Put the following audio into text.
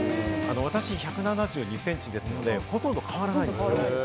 私、１７２センチですので、ほとんど変わらないです。